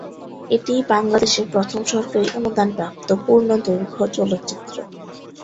এটিই বাংলাদেশের প্রথম সরকারি অনুদান প্রাপ্ত পূর্ণদৈর্ঘ্য চলচ্চিত্র।